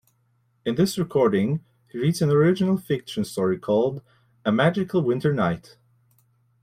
In this recording, he reads an original fiction story called "A Magical Winter Night".